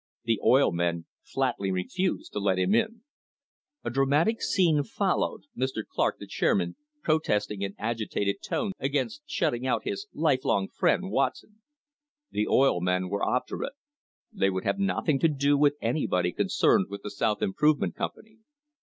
The oil men flatly refused to let them in. A dramatic scene followed, Mr. Clark, the chairman, protesting in agitated tones against shut ting out his "life long friend, Watson." The oil men were obdurate. They would have nothing to do with anybody con cerned with the South Improvement Company.